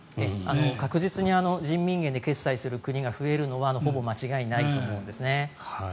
確実に人民元で決済する国が増えるのはほぼ間違いないと思うんです。